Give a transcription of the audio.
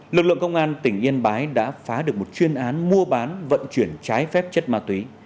lực lượng công an tỉnh yên bái đã phá được một chuyên án mua bán vận chuyển trái phép chất ma túy